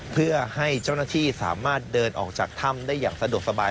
เพื่อให้เจ้าหน้าที่สามารถเดินออกจากถ้ำได้อย่างสะดวกสบาย